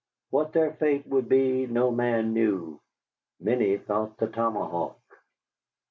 What their fate would be no man knew. Many thought the tomahawk.